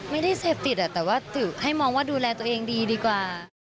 ไม่ได้เสพติดแต่ว่าให้มองว่าดูแลตัวเองดีดีกว่า